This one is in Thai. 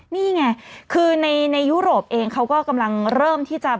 นี่ไงคือในยุโรปเองเขาก็กำลังเริ่มที่จะ